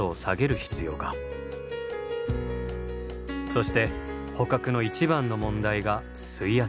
そして捕獲の一番の問題が水圧。